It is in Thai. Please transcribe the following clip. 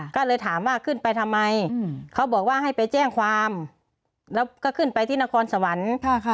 ก็เลยถามว่าขึ้นไปทำไมเขาบอกว่าให้ไปแจ้งความแล้วก็ขึ้นไปที่นครสวรรค์